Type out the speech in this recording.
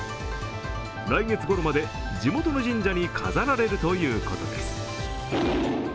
来月ごろまで、地元の神社に飾られるということです。